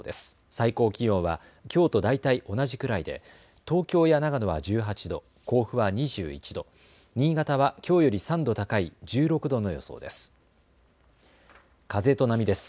最高気温はきょうと大体同じくらいで東京や長野は１８度、甲府は２１度、新潟はきょうより３度高い１６度の予想です。